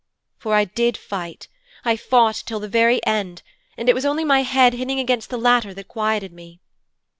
For I did fight, I fought till the very end, and it was only my head hitting against the ladder that quieted me.